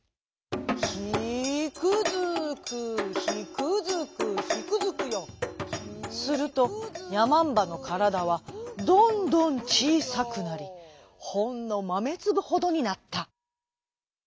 「ヒクヅクヒクヅクヒクヅクヨ」するとやまんばのからだはどんどんちいさくなりほんのまめつぶほどになった。